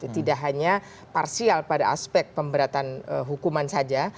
tidak hanya parsial pada aspek pemberatan hukuman saja